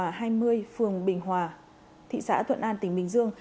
phường bình hòa thị xã thuận an tỉnh bình dương